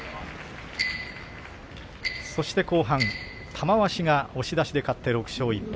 後半、玉鷲が押し出しで勝って６勝１敗。